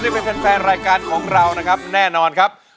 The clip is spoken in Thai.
นี่เป็นแฟนรายการของเรานะครับแน่นอนครับ